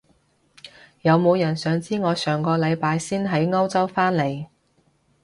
有冇人想知我上個禮拜先喺歐洲返嚟？